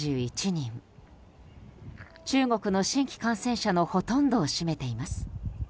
中国の新規感染者のほとんどを占めています。